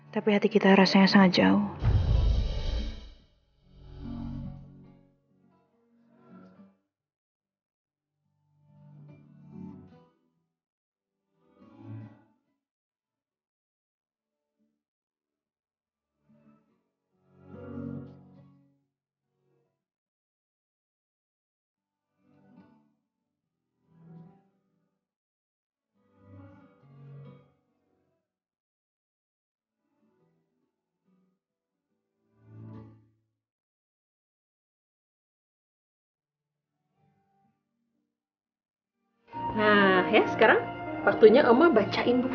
tapi hati kita rasanya sangat jauh